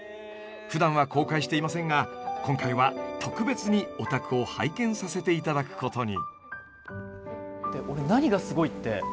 ふだんは公開していませんが今回は特別にお宅を拝見させていただくことに。